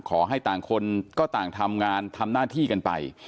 ขอให้ต่างคนก็ต่างทำงานทำหน้าที่กันไป